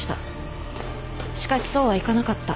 しかしそうはいかなかった。